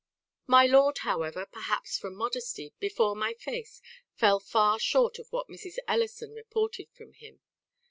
"My lord, however, perhaps from modesty, before my face, fell far short of what Mrs. Ellison reported from him.